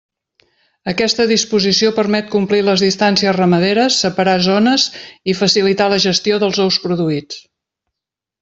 Aquesta disposició permet complir les distàncies ramaderes, separar zones i facilitar la gestió dels ous produïts.